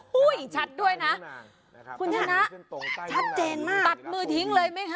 อีกชัดด้วยนะคุณชนะชัดเจนมากตัดมือทิ้งเลยไหมคะ